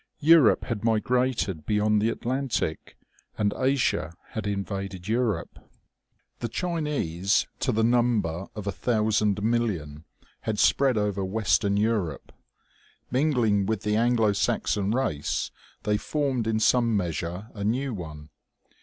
Europe had migrated beyond the Atlantic, and Asia had invaded Europe. The Chinese to the num 14 210 OMEGA. her of a thousand million had spread over western Europe. Mingling with the Anglo Saxon race, they formed in some measure a new one.